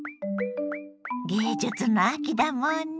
芸術の秋だもんね。